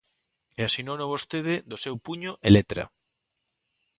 E asinouno vostede do seu puño e letra.